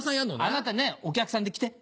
あなたお客さんで来て。